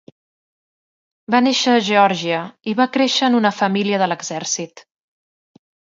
Va néixer a Geòrgia i va créixer en una família de l'exèrcit.